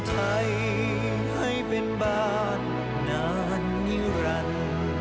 จริงจริงจริงจริง